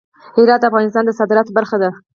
هرات د افغانستان د صادراتو برخه ده.